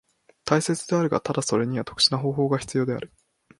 大切であるが、ただそれには特殊な方法が必要である。